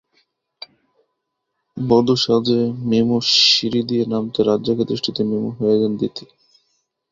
বধূ সাজে মিমো সিঁড়ি দিয়ে নামতে রাজ্জাকের দৃষ্টিতে মিমো হয়ে যান দিতি।